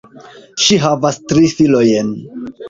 Ŝi havas tri filojn.